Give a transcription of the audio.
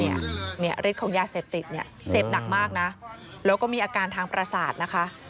ฤทธิ์ของยาเสพติดเนี่ยเสพหนักมากนะแล้วก็มีอาการทางประสาทนะคะ